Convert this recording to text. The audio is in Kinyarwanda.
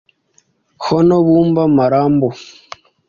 Hon Buumba Malambo